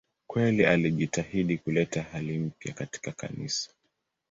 Kweli alijitahidi kuleta hali mpya katika Kanisa.